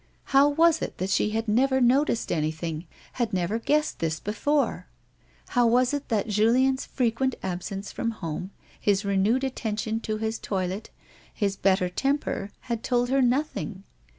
How was it that she had never noticed anything, had never guessed this before ? How was it that Julien's fre quent absence from home, his renewed attention to his toilette, his better temper had told her nothing?